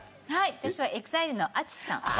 私はＥＸＩＬＥのＡＴＳＵＳＨＩさん。